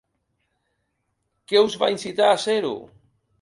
Què us va incitar a ser-ho?